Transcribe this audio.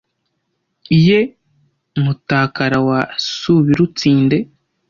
Ye Mutakara wa Subirutsinde